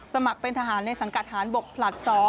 สมัครเป็นทหารในสังกัดฐานบกผลัด๒